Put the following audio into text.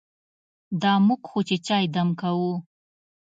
دا موږ خو چې چای دم کوو.